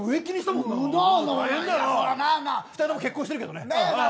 ２人とも結婚してるけどね。